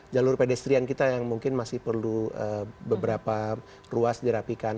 jalur pedestrian kita yang mungkin masih perlu beberapa ruas dirapikan